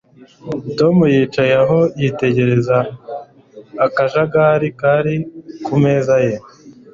Tom yicaye aho yitegereza akajagari kari ku meza ye